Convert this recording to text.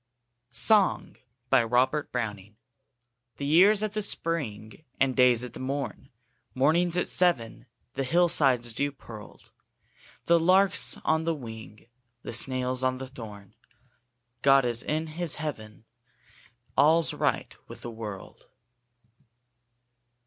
35] RAINBOW GOLD SONG THE year's at the spring, And day's at the morn; Morning's at seven; The hill side's dew pearled; The lark's on the wing; The snail's on the thorn; God's in His Heaven All's right with the world!